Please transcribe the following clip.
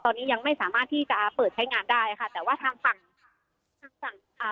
ตอนนี้ยังไม่สามารถที่จะเปิดใช้งานได้ค่ะแต่ว่าทางฝั่งทางฝั่งอ่า